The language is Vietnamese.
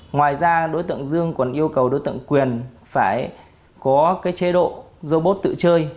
ngoài ra đối tượng dương còn yêu cầu đối tượng quyền phải có cái chế độ robot tự chơi